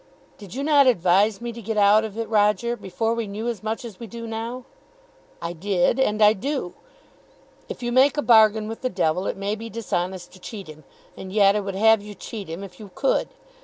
"Did you not advise me to get out of it, Roger; before we knew as much as we do now?" "I did, and I do. If you make a bargain with the Devil, it may be dishonest to cheat him, and yet I would have you cheat him if you could.